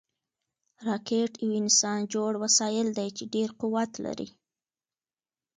راکټ یو انسانجوړ وسایل دي چې ډېر قوت لري